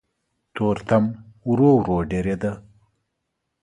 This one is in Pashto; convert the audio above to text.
تورتم ورو ورو ډېرېده.